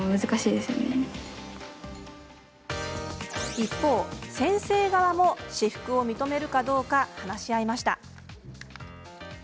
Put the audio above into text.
一方、先生側も私服を認めるかどうか話し合いました。